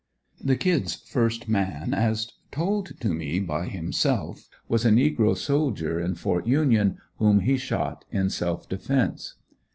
The "Kid's" first man, as told to me by himself, was a negro soldier in Ft. Union, whom he shot in self defence.